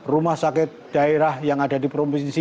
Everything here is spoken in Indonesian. rumah sakit daerah yang ada di provinsi